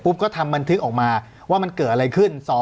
ก็ทำบันทึกออกมาว่ามันเกิดอะไรขึ้น